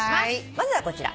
まずはこちら。